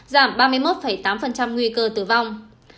giảm ba mươi một tám nguy cơ tử vong